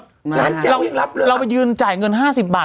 ล้านเจ็ดเรายังรับเลยเราไปยืนจ่ายเงิน๕๐บาท